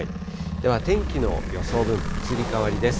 では、天気の予想分布、移り変わりです。